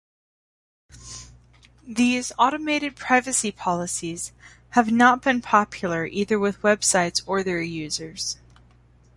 These automated privacy policies have not been popular either with websites or their users.